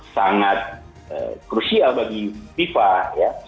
sangat krusial bagi viva ya